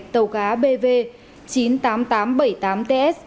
tàu cá bv chín mươi tám nghìn tám trăm bảy mươi tám ts